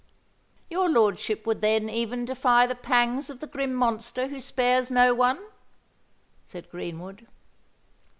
"Your lordship would then even defy the pangs of the grim monster who spares no one," said Greenwood.